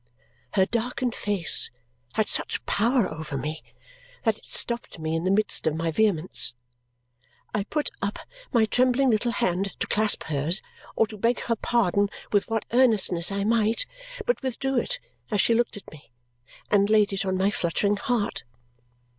Her darkened face had such power over me that it stopped me in the midst of my vehemence. I put up my trembling little hand to clasp hers or to beg her pardon with what earnestness I might, but withdrew it as she looked at me, and laid it on my fluttering heart.